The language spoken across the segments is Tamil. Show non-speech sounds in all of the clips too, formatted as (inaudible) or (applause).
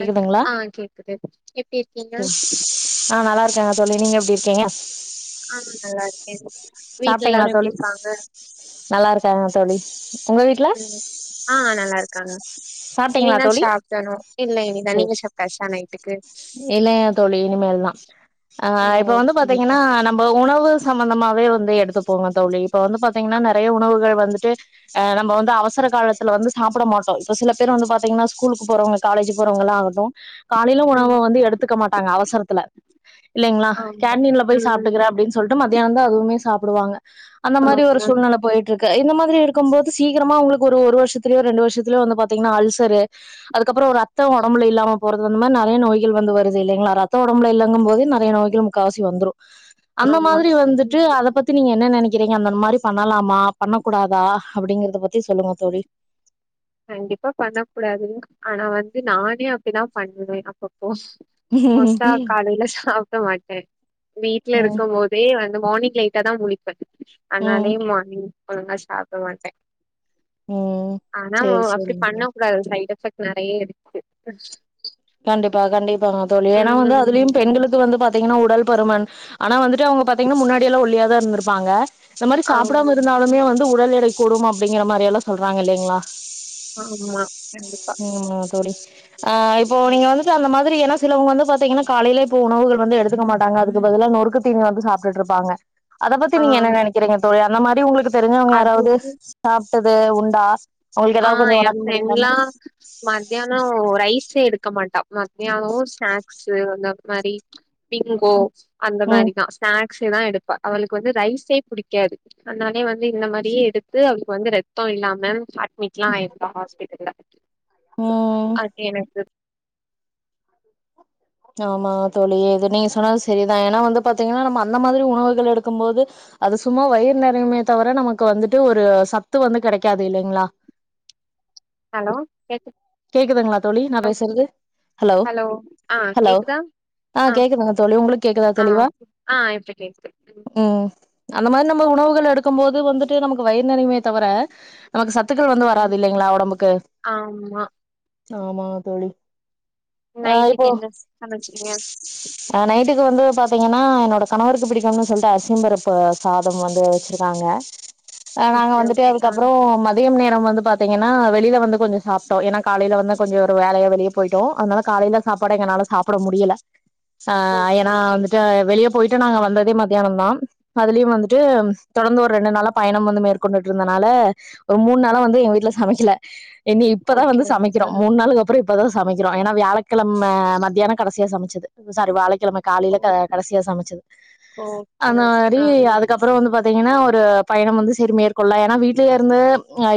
கேக்குதுங்களா ஆ கேக்குது எப்டி இருக்கீங்க ஆ நல்லா இருக்காங்க தோழி நீங்க எப்டி இருக்கீங்க நல்லா இருக்கே வீட்ல சாப்ட்டீங்களா எல்லாரு எப்டி தோழி இருக்காங்க நல்லா இருக்காங்க தோழி உங்க வீட்ல ம் ஆ நல்லா இருக்காங்க சாப்ட்டீங்களா இனிதா தோழி சாப்டணு இல்ல இனிதா நீங்க சாப்டாச்சா நைட்டுக்கு இல்ல தோழி இனிமே தா ஆ ஓ! இப்ப வந்து ஓகே ஓகே பாத்தீங்கன்னா ப உணவு சம்பந்தமாவே வந்து எடுத்துப்போங்க தோழி இப்ப வந்து பாத் தீங்கன்னா நிறைய உணவுகள் வந்துட்டு நம்ம வந்து அவசர காலத்துல வந்து சாப்பிட மாட்டோ இப்ப சில பேர் வந்து பாத்தீங்கன்னா ஸ்கூலுக்கு போறங்க காலேஜக்கு போறவங்லா ஆகட்டு காலையலு ம் உணவ வந்து எடுத்துக்க மாட்டாங்க அவசரத்துல இல்லைங்களா ஆமா கேன்டீன்ல போய் ம் சாப்பிட்டுக்கற அப்டின்னு சோ சொல்ட்டு மத்தியான தா அதுவுமே சாப்பிடுவாங்க அந்த மாரி ஒரு ஆமா சூழ்நில போயிட்டு இருக்கு இந்த மாதிரி இருக்கு போது சீக்கிரமா உங்களுக்கு ஒரு வருஷத்துலயோ ரெண்டு வருஷத்துலயோ வந்து பாத்தீங்கன்னா அல்சர் அதுக்கப்ரோ இரத்த உடம்புல இல்லாம போறது அந்த மாரி நறைய நோய்கள் வந்து வருது இல்லைங்களா ரத்த உடம்புல இல்லங்கு போது நறைய நோய் காவசி வந்துரு அந்த ஆமா மாதிரி வந்துட்டு ம் அத பத் த்தி நீங்க என்ன நெனக்கிறீங்க அந்த மாரி பண்ணலாமா பண்ணக்கூடாதா அப்டிங்கறத பத்தி சொல்லுங்க தோழி கண்டிப்பா பண்ண கூடாது ஆனா வந்து நானே அப்டிதா பண்ணுவே அப்பப்போ மோஸ்ட்டா காலைல சாப்ட மாட்டே வீட்ல ம் இருக்கும் போது பயே வந்து மார்னிங் லேட்டா தா முளிப்பே ம் அதனாலயே மார்னிங் ஒழுங்கா சாப்ட மாட்டே ம் மேம் சேரி அப்டி சேரிங்க பண்ண கூடாது சைட் எஃபெக்ட் நறய இருக்கு கண்டிப்பா கண்டிப்பாங்க தோழி ஏன்னா வந்து ம் அதுலயு பெண்களுக் கு வந்து பாத்தீங்கன்னா உடல் பருமன் ஆனா வந்துட்டு அவுங்க பாத்தீங்கன்னா முன்னாடியெல்லா ஒல்லியாதா இருந்துருப்பாங்க இந்த மாரி ஆமா சாப்டாம இருந்தாலுமே ம் வந்து உடல் எடை கூடும் அப்டிங்கிற மாரி எல்லா சொல்றாங்க இல்லீங்களா ஆமா கண்டிப்பா ம் ஆமா தோழி இப்போ நீங்க வந்துட்டு அந்த மாதிரி என சிலவங்க வந்து பாத்தீங்கன்னா காலைல இப்ப உணவுகள் வந்து எடுத்துக்கமாட்டாங்க அதுக்கு பதிலா நொறுக்கு தீனீ வந்து சாப்ட்டுட்ருப்பாங்க அத பத்தி ஆ நீங்க என்ன நெனைக்குறீங்க தோழி அந்த மாரி உங்குளுக்கு தெரிஞ்சவுங்க யாராவது அதுவுமே சாப்ட்டது உண்டா உங்குளுக்கு ஆ எதாவது கொஞ்சோ என் ஒடம்பு முடியலனா ஃப்ரெண்ட்லா மத்தியானோ ரைஸ்ஸே எடுக்க மாட்டா மத்தியானோ ஸ்நாக்ஸு அந்த மாரி பிங்கோ அந்த ம் மாரிதா ஸ்நாக்ஸேதா எடுப்பா அவளுக்கு வந்து ரைஸே புடிக்காது அதனாலே வந்து இந்த மாரியே எடுத்து அவளுக்கு வந்து ரத்தோ இல்லாம அட்மிட்லா ஆயிருக்கா ஹாஸ்பிட்டல்ல ம் அது எனக்கு (inaudible) ஆமாங்க தோழி இது நீங்க சொன்னது செரிதா ஏன்னா வந்து பாத்தீங்கன்னா நம்ம அந்த மாதிரி உணவுகள் எடுக்கும் போது அது சும்மா வயிறு நெறயுமே தவிர நமக்கு வந்துட்டு ஒரு சத்து வந்து கெடைக்காது இல்லீங்களா ஹலோ கேக்கு கேக்குதுங்களா தோழி நா பேசுறது ஹலோ ஆ ஹலோ கேக்குதா ஆ கேக்குதுங்க தோழி உங்குளுக்கு கேக்குதா ஆ தெளிவா ஆ இப்ப கேக்குது ம் அந்த மாரி நம்ம உணவுகள் எடுக்கும் போது வந்துட்டு நமக்கு வயிறு நெறயுமே தவிர நமக்கு சத் சத்துக்கள் வந்து வராது ம் இல்லீங்களா ஒடம்புக்கு ஆமா ஆமாங்க தோழி இப்போ நைட்டுக்கு என்ன சமச்சீங்க ஆ நைட்டுக்கு வந்து பாத்தீங்கன்னா என்னோட கணவருக்கு பிடிக்கோனு சொல்லிட்டு அரிசியும்பருப்பு சாதம் வந்து வெச்சிருக்காங்க ஆ நாங்க ஓகே வந்துட்டு ஓகே ஆ அதுக்கப்றோ மதியம் நேரம் வந்து பாத்தீங்கன்னா வெளில வந்து கொஞ்சோ சாப் ஏன்னா காலைல வந்து கொஞ்சோ ஒரு வேலையா வெளிய போயிட்டோ அதனால காலைல சாப்பாட எங்கனால சாப்புட முடியுல ஆ ஓகே ஏன்னா ஓகே வந்துட்டு ஆ வெளியே போயிட்டு நாங்க வந்ததே மத்தியானோந்தா அதுலயு வந்துட்டு தொடர்ந்து ஒரு ரெண்டு நாளா பயணம் வந்து மேற்கொண்டுட்டு இருந்தனால ஒரு மூணு நாளா வந்து எங்க வீட்ல சமைக்கல என்னி இப்பதா ஓகே வந்து ஓகே சமைக்கிறோ ஆ மூணு நாளுக்கு அப்புறோ இப்பதா சமைக்கிறோ ஏன்னா வியாழக்கெழம மத்தியானோ கடைசியா சமச்சுது சாரி வியாழக்கெழம ஓ காலையில க கடைசியா சமைச்சுது ஓகே அந்த ஓகே மாரி ஆ அதுக்கப் அப்றோ வந்து பாத்தீங்கன்னா ஒரு பயணம் வந்து செரி மேற்ககொள்ளலா ஏன்னா வீட்லயே இருந்து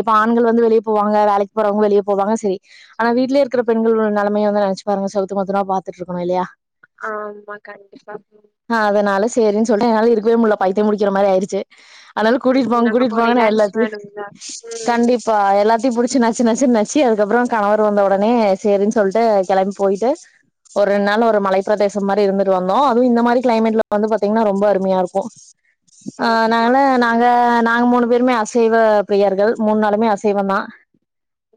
இப்போ ஆண்கள் வந்து வெளிய போவாங்க வேலைக் போறவங்க வெளிய போவாங்க செரி ஆனா வீட்லயே இருக்குற பெண்கள் நெலமைய வந்து நெனச்சு பாருங்க செவுத்த மட்டுதா பாத்துட்ருக்கணோ இல்லயா ஆமா கண்டிப்பா தோழி அ அதனால சேரினு சொல்லிட்டு என்னால இருக்கவே முட்ல பைத்தியோ புடிக்குற மாரி ஆயிடுச்சி அதனால ம் கூட்டிட்டு போங்க நமக்கு கூட்டிட்டு ஒரு போங்கன்னு ரிலாக்ஸ் எல்லாத்தையு வேணும்ல ம் கண்டிப்பா எல்லாத்தையு புடிச் நச்சு நச்சு நச்சு நச்சி அதுக்கப்றோ கணவ தோண்ண உடனே சேரின்னு சொல்ட்டு களம்பி போயிட்டு ஒரு ரெண்டு நாள் ஆமா ஒரு மலை பிரதேசம் மாரி இருந்துட்டு வந்தோ அது இந்த மாரி க்ளைமேட்ல வந்து பாத்தீங்கன்னா ரொம்ப அருமயா ருக்கு ம் அதனால நாங்க நாங்க மூணு பேருமே அசைவ பிரியர்கள் மூணு நாளுமே அசைவோ தா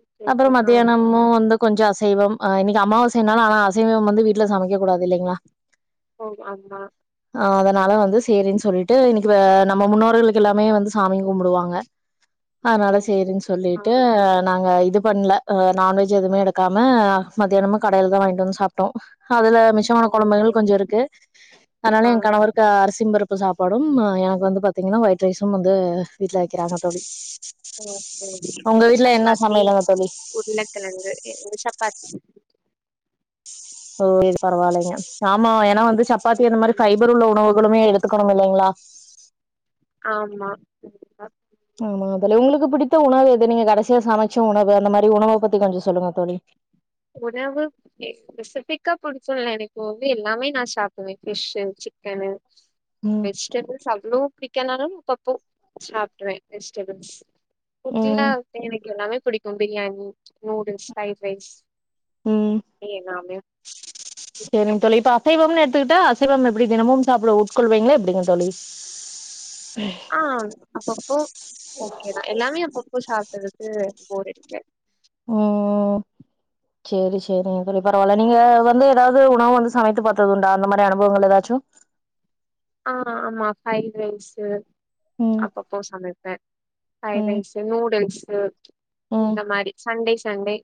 ஓகே அப்பறோ ஓகே ஆ மத்தியானம்மு வந்து கொஞ்சோ அசைவம் அ இன்னைக்கு அமாவாசை னால ஆனா அசைவம் வந்து வீட்ல சமக்கக் கூடாது இல்லைங்களா ஓ ஆம்மா ஆ அதனால வந்து சேரின்னு சொல்லிட்டு இன்னிக்கு அ நம்ம முன்னோர்களுக்கு எல்லாமே வந்து சாமி கும்புடுவாங்க ஆனால ஓகே சேரின்னு ஓகே ஆ சொல்லிட்டு நாங்க து பண்ல அ நான்வெஜ் எதுமே எடுக்காம மத்தியானமா கடைல தா வாங்கிட்டு வந்து சாப்ட்டோ அதுல மிச் சமான ஓகே கொழம்புகள் கொஞ்சோ இருக்கு அத்னால ஆ என் கணவர் க்கு அரிசிம் பருப்பு சாப்பாடும் எனக்கு வந்து பாத்தீங்கன்னா ஒயிட் ரைஸும் வந்து வீட்ல வெக்கிறாங்க தோழி ம் உங்க சேரி வீட்ல என்ன சப்பாத்தி சமையலுங்க தோழி உருளக்கெழங்கு ஒரு சப்பாத்தி சோ இது பரவால்லேங்க சாமா ஏன்னா வந்து சப்பாத்தி அந்த மாரி பஃபைபர் உள்ள உணவுகளுமே எடுத்துக்கணும் இல்லேங்களா ஆம்மா ஆமா உங்களுக்கு பிடித்த உணவு எது நீங்க கடைசியா சமச்ச உணவு அந்த மாரி உணவ பத்தி கொஞ்சோ சொல்லுங்க தோழி உணவு எ பெசிஃபிக்கா புடிக்குல எனக்கு வந்து எல்லாமே நா சாப்புடுவே பிஷ்ஸு சிக்கனு ம் வெஜிடேபிள்ஸ் அவ்ளோ பிடிக்னாலு அப்பப்போ சாப்புடுவே வெஜ்டேபிள்ஸ் குட்டிலா ம் எனக்கு எல்லாமே புடிக்கு ப்ரியாணி நூடுல்ஸ் ஃபரைட் ரைஸ் உம் எல்லாமே பிடிக்கு சேரிங்க தோழி இப்ப அசைவம்னு எடுத்துக்கிட்டா அசைவம் எப்டி தினமும் சாப்ட உட்கொள்வீங்களா எப்டிங்க தோழி ஆ அப்பப்போ ஓக்கேதா எல்லாமே அப்பப்போ சாப்ட்றதுக்கு போர் அடிக்காது ஓ செரி செரிங்க தோழி பரவால்ல நீங்க வந்து எதாவ்து உணவு வந்து சமைத்து பாத்தது உண்டா அந்த மாரி அனுபவங்கள் எதாச்சும் ஆ ஆமா ப்ரைட் ரைஸ் ம் அப்பப் போ சமப்பே ஃப்ரைட் ம் ரைஸு நூடுல்ஸு ம் இந்த மாரி சன்டே சன்டே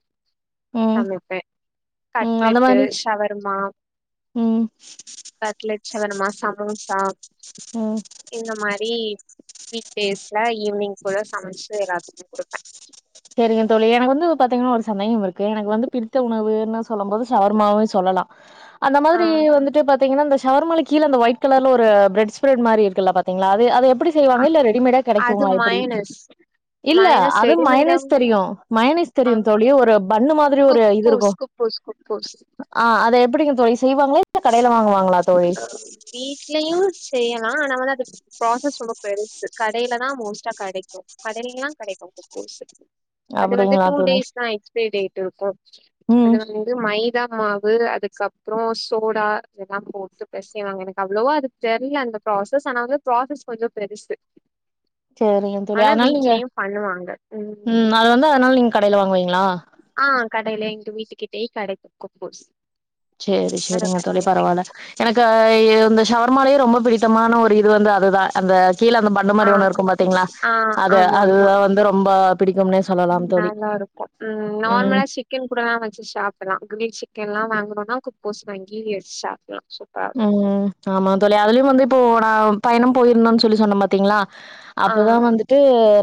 ம் சமப்பே ம் அந்த கட்லட்டு மாரி ஷவர்மா ம் கட்லட் ஷவர்மா சமோசா உம் இந்த மாரி வீக் டேஸ்ல ஈவி்னிங் போல சமச்சு எல்லாத்துக்கு குடுப்பே செரிங்க தோழி எனக்கு வந்து பாத்தீங்ன்னா ஒரு சந்தேகம் இருக்கு எனக்கு வந்து பிடித்த உணவுன்னு சொல்லும் போது ஷவர்மாவ்வே சொல்லலா அந்த ஆ மாதிரி வந்துட்டு பாத் தீங்னா ஷவர்மால கீழ அந்த ஒயிட் கலர்ல ஒரு பிரட் ஸ்பிரட் மாரி இருக்குல்ல பாத்தீங்களா அது அது எப்டி அ செய்வாங்க இல்ல ரெடிமேடா அது கெடைக்குங்களா எப்டி மயனஸ் இல்ல மயனஸ் அது ரெடிமேடா மைனஸ் தெரியு மயனஸ் ஆ தெரியும் தோழி ஒரு பன்னு மாத்ரி ஒரு இது குப்பூஸ் இருக்கு குப்பூஸ் குப்பூஸ் ஆ அத எப்டிங்க தோழி செய்வாங்களா இல்ல கடைல வாங்குவாங்களா தோழி வீட்லயு செய்யலா ஆனாவது அது ப்ராசஸ் ரொம்ப பெருசு கடைல தா மோஸ்ட்டா கடக்கு கடை எல்லா கெடைக்கு தட் மீன்ஸு அது வந்து அப்படிங்களா டு தோழி டேஸ் தா எக்ஸ்பரி டேட் இருக்கு அது ம் வந் மைதா மாவு அதுக்கப்றோ சோடா எல்லா போட்டு பெசை வாங்க எனக்கு அவ்ளோ வா அது தெர்ல அந்த ப்ராசஸ் ஆனா ப்ராசஸ் கொஞ்சோ பெருசு செரிங்க தோழி ஆனா அத்னால நீங்க வீட்லயு பண்ணுவாங்க ம் அது வந்து அத்னால நீங்க கடையல வாங்குவீங்களா ஆ கடைலே எங்க வீட்டுக்கிட்டே கடக்குக்கு குப்பூஸ் சேரி சேரிங்க தோழி பரவால்ல எனக்கு இந்த சவர்மாலயே ரொம்ப பிடித்தமான ஒரு இது வந்து அதுதா அந்த கீழ அந்த பட் ன்ன ஆ மாரி ஒன்னு இருக்கும் குக்கூஸ் பாத்தீங்ளா ஆ அது ஆமா ஆமா அதுதா வந்து ரொம்ப பிடிக்கும்னே சொல்லலா தோழி நல்லா இருக்கு ம் நர்மளா ஷி கென் கூடலா வச்சு ஷாப்புலா கிரில்சிக்கன்லா வாங்குனோனா குப்போஸ் வாங்கி ஷாப்புலா சூ ம் ம் ஆமா தோழி அதுல்யு வந்து இப்போ நா பயணம் போயிருந்தோன் சொல்லி சொன்ன பாத்தீங்ளா ஆ அப்பதா வந்துட்டு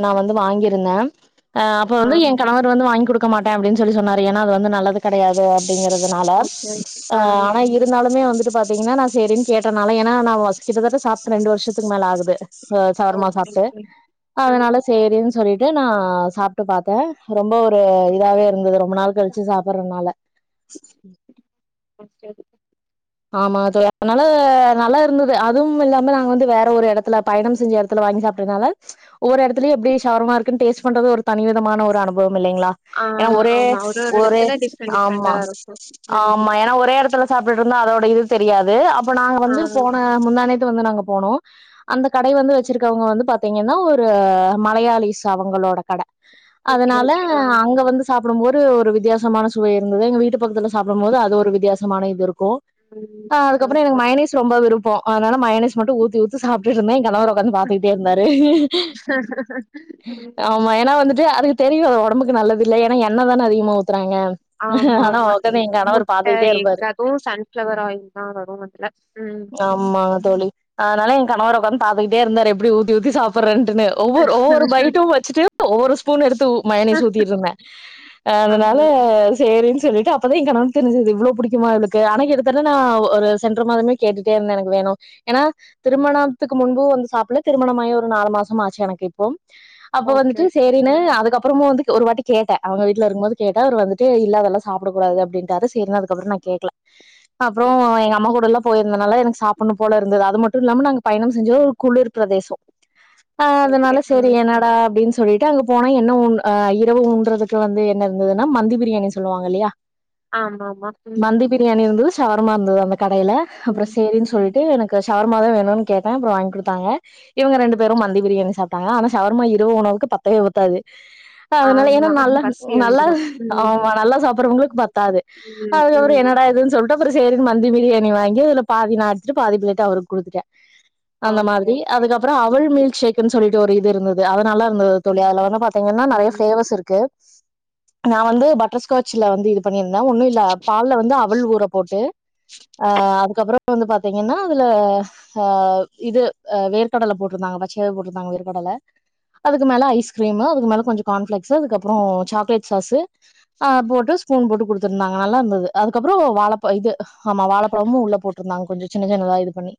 நா வந்து வாங்கிருந்த அப்ப ஆ வந்து ஏ கணவர் வந்து வாங்குடுக் குடுக்க மாட்டே அப்டின் சொல்லி சொன்னார் ஏன்னா அது வந்து நல்லது கடையாது அப்டிங்குறதுனால ஓகே ஓகே ஆ ஆனா இர் இதுன்னாலுமே வந்துட்டு பாத்தீங்னா நா சேரின் கேட்டனால ஏனா நா வ கிட்டதட்ட சாப்ட்டு ரெண்டு வர்ஷத்துக் மேல ஆகுது ச சவர்மா ஓகே சாப்ட்டு ஓகே அதனால ம் சேரின் சொல்லிட்டு நா சாப்ட்டு பாத்த ரொம்ப ஒரு இதாவே இருந்துது ரொம்ப நாள் கழ்ச்சு சாப்புற்றனால (unintelligible) ஆமா தோய் அத்னால நல்லா இருந்துது அதுவும் இல்லாம நாங்க வந்து வேற ஒரு எடத்துல பயணம் செஞ்ச எட் துல வாங்கி சாப்டதுனால ஒவ்வொரு எட்த்துலயு எப்டி ஷவர்மா இருக்குன் டேஸ்ட் பண்றது ஒரு தனி விதமான ஒரு அனுபவம் இல்லைங்ளா ஆ ஏனா ஒரே ஆமா ஒரு ஒரு ஒரே எடத்துல டிஃப்ரெண்ட் ஆமா டிஃப்ரெண்டா இருக்கு ம் ஆமா ஏன்னா ஒரே எடத்துல சாப்ட்டுட்ருந்தா அதோட இது தெரியாது அப்ப நாங்க ஆ வந்து போன முந்தாணேத்து வந்து நாங்க போனோ அந்த கடை வந்து வச்சிருக்கவுங்க வந்து பாத்தீங்கன்னா ஒரு மலையாளிஸ் அவங்களோட கட ஓகே அதனால ஓகே ஆ அங்க வந்து சாப்புட்டும்போரு ஒரு வித்யாசமான சுவை இருந்துது எங்க வீட்டு பக்கத்துல சாப்புடும்போது அது ஒரு வித்யாசமான இது இருக்கு ம் அ அதுக்கப்றோ என ஆமா மயேனேஸ் ரொம்ப விருப்பொ அதனால மயேனேஸ் மட்டு ஊத்தி ஊத்தி சாப்ட்டுட்ருந்த ஏ கனவர் ஒக்காந்து பாத்துக்குட்டே இருந்தாரு ம், ஆம் ம்மா ஏனா வந்துட்டு அதுக்கு தெரியு அது ஒடம்புக்கு நல்லது இல்ல ஏன்னா எண்ண தான அதிகமா ஊத்துறாங்க ஆமா ஆனா ஒக்காந்து ஏ கனவர் பாத்துகிட்டே இருப்பாரு தூ சன்ஃப்ளவர் ஆயில்தா வரு அதுல ம்மா தோழி அத்னால ஏ கணவர் ஒக்காந்து பாத்துக்குட்டே இருந்தாரு எப்புடி ஊத்தி ஊத்தி சாப்புற்றன்ட்டுனு ஒவ்வொரு ஒவ்வொரு பைட்டு வச்சுட்டு ஒவ்வொரு ஸ்பூன் எடுத்து உ மயோனேஸ் ஊத்திட்ருந்த அ ஆ அதனால சேரின் சொல்லிட்டு அப்பதா ஏ கனவன்க் தெரிஞ்சிது இவ்ளோ புடிக்குமா இவ்ளுக்கு ஆனா எது தட்ட நா ஒரு சென்ற மாதமே கேட்டுட்டே இருந்த எனக்கு வேணு ஏனா திருமணம்த்துக்கு முன்பு வந்து சாப்புல்ல திருமணமாயி ஒரு நாலு மாசம் ஆச்சு எனக்கு இப்போ அப்ப ஓகே வந்துட்டு ஓகே சேரினு ம் அதுக்கப் அப்புறமு வந்துக் ஒரு வாட்டி கேட்ட அவுங்க வீட்ல இருக்கம்போது கேட்ட அவுரு வந்துட்டு அதல்லா சாப்புடக்கூடாது அப்டின்ட்டாரு சேரினு அதுக்கப்புற நா கேக்ல அப்றோ ஓகே எங் அம்மா கூடல்லா போயிர்ந்தனால எனக்கு சாப்புட்ணு போல இருந்தது அது மட்டு இல்லாம நாங்க பயணம் செஞ்ச ஒரு குளிர் பிரதேசோ அ ஓகே ஓகே அதுனால ஆ சேரி என்னடா அப்டின்ஸ் சொல்லிட்டு அங்க போனா என்ன உன் இரவு உன்றதுக்கு வந்து என்ன இர்ந்துதுன்னா மந்தி பிரியாணி சொல்லுவாங்க இல்லயா ஆமாமா ம் டியாணி இருந்துது ஷவர்மா இருந்துது அந்த கடையில அப்ற ம் சேரின் ம் சொல்ட்டு எனக் க ஷவர்மாதா வேணுன் கேட்டே அப்புற வாங்கி குடுத்தாங்க இவுங்க ரெண்டு ம். பேரு மந்தி பிரியாணி சாப் டாங்க ஆனா ஷவர்மா இரவு உணவுக்கு பத்தவே பத்தாது த அதனால ஏன்னா ஆமா நல்ல பசி நல்லா வந்துரு ம் ஆமா நல்லா சாப்புற்றவுங்களுக் பத்தாது ம் அதுக்கப்புற ம் என்னடா இதுன் டப்புற சேரின் மந்தி பிரியாணி வாங்கி அதுல பாதி நா எடுத்துட்டு பாதி பிளேட்ட அவுருக் குடுத்ட்டே அந்த ஓகே மாதுரி அதுக்கப்புற அவல் ம் மீல்க்ஷேக்ன் சொல்லிட்டு ஒரு இது இருந்துது அத நல்லாருந்துது தோழி அதுல ம் வந்து பாத்தீங்கன்னா நறைய ம் பிளேவர்ஸ் இருக்கு ம். நா வந்து பட்ரஸ்காச் மிச்சில வந்து இது பண்ணியிருந்த ஒன்னு இல்ல பால்ல வந்து அவல் ஊற போட்டு அ அதுக்கப்புறோ வந்து பாத்தீங்கன்னா அதுல ஆ இது வேர்க்கடலை போட்டிருந்தாங்க பச்சையா போட்டிருந்தாங்க ஓவேர்க்கடல ஓ அதுக்கு மேல ஐஸ் கிரீம் அதுக்கு மேல கொஞ்சோ கார்ன்ஃளேக்ஸ் அதுக்கப்புறோ சாக்லட் சாஸ் அ போட்டு ஸ்பூன் போட்டு கொடுத்துருந்தாங்க நல்லா இருந்தது அதுக்கப்புறோ வள இப்ப இது ஆமா வாழைப்பழமு உள்ள போட்டிருந்தாங்க கொஞ்சம் சின்ன சினதா இது பண்ணி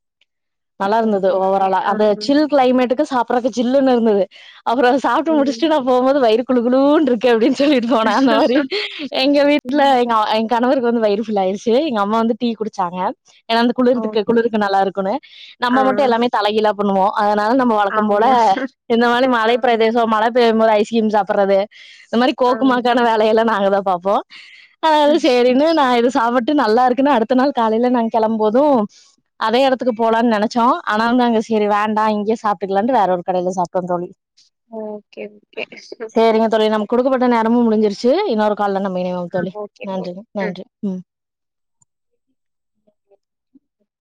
நல்லா இருந்தது ஓகே, ஓகே. ஓவராலா ஆ. அந்த சில் கிளைமேட்டுக்கு சாப்படுறக்கு சில்லுன்னு இருந்தது அப்பறோ சாப்பிட்டு ம். முடிச்சுட்டு நா போகபோது வய்று குளு குளுன்னு இருக்கு அப்டின்னு சொல்லிட்டு போனா அந்த மாரி எங்க வீட்டுல ம். எ கணவருக்கு வந்து வயிறு ஃபுல்லாயிருச்சு (unintelligible) ட்டு எங்க அம்மா வந்து டீ குடிச்சாங்க ஏன்னா அந்த குளிருக்கு ஓகே. குளிருக்கு நல்லா இருக்குன்னு ஆ. நம்ம மட்டு எல்லாமே தலைகிழ பண்ணுவோ அதனால நம்ம வழக்க போல ஆமா. இந்த மாரி ஆ. மழை பிரதேச மழ பெய்யுபோது ஐஸ்கிரீம் சாப் சாப்பறது இந்த மாரி ஆ. கோக்குமாக்கான வேலயெல்லா நாங்கதா பாப்போ அது சேரினு நா ஏது சாப்பிட்டு நல்லா இருக்கு அடுத்த நாள் காலயில நா கெளம்புபோது அதே எடத்துக்கு போலான்னு நெனச்சோ ஆனாலனு அங்க சரி வேண்டா இங்கயே சாப்ட்டுக்கலான்னு வேற ஒரு கடயில சாப்ட்டோ தோழி ஓகே ஓகே சேரி நமக்கு குடுக்கப்பட்ட நேரமு முடிஞ்சிருச்சு இன்னொரு கால்ல நம்ம இணைவோ ஆ தோழி ஓகே. நன்றி போய். அ. நன்றி ம் (inaudible)